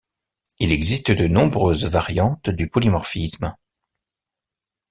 Il existe de nombreuses variantes du polymorphisme.